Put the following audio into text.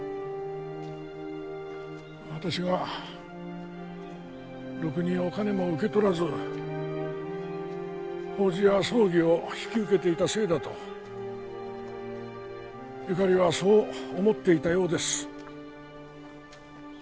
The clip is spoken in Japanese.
私がろくにお金も受け取らず法事や葬儀を引き受けていたせいだとゆかりはそう思っていたようです。